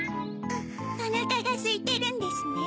おなかがすいてるんですね。